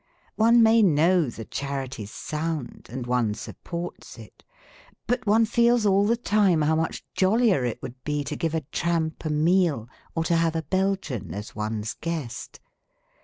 One may know the charity 's sound, and one supports it ; but one feels all the time how much jollier it would be to give a tramp a meal or to have a Belgian as one's guest.